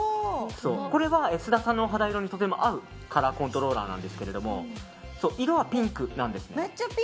これは須田さんの肌色にとても合うカラーコントローラーですけど色はピンクなんですね。